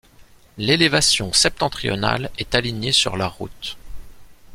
L'élévation septentrionale est alignée sur la route.